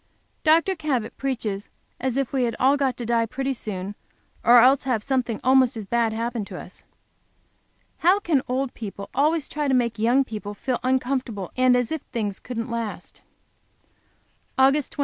Dr. Cabot preaches as if we had all got to die pretty soon, or else have something almost as bad happen to us. How can old people always try to make young people feel uncomfortable, and as if things couldn't last? Aug. 25.